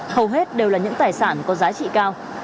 hầu hết đều là những tài sản có giá trị cao